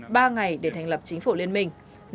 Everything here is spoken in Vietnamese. ba ngày để thành lập chính phủ liên minh